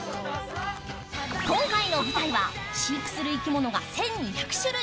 今回の舞台は飼育する生き物が１２００種類。